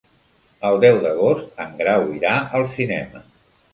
El deu d'agost en Grau irà al cinema.